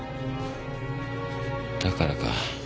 だからか。